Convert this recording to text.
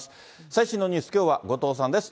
最新のニュース、きょうは後藤さんです。